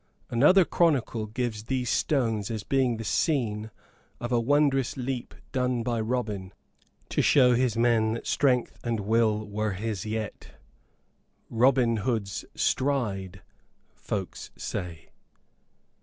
Another chronicle gives these stones as being the scene of a wondrous leap done by Robin, to show his men that strength and will were his yet. "Robin Hood's stride," folks say.